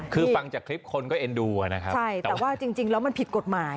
คือฟังจากคลิปคนก็เอ็นดูนะครับใช่แต่ว่าจริงแล้วมันผิดกฎหมาย